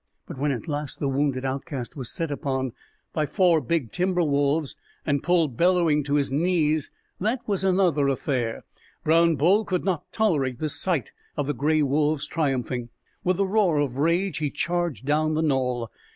But when at last the wounded outcast was set upon by four big timber wolves and pulled, bellowing, to his knees, that was another affair. Brown Bull could not tolerate the sight of the gray wolves triumphing. With a roar of rage he charged down the knoll.